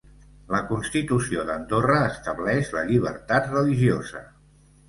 La constitució d'Andorra estableix la llibertat religiosa.